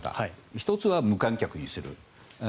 １つは無観客にする。